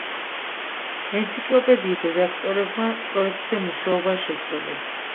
ენციკლოპედიის რედაქტორებმა პროექტზე მუშაობა შეწყვიტეს.